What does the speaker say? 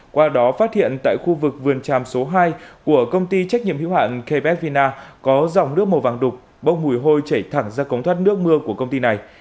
qua đó phát hiện tại khu vực vườn tràm số hai của công ty trách nhiệm hữu hạn kbet vina có dòng nước màu vàng đục bốc mùi hôi chảy thẳng ra cống thoát nước mưa của công ty này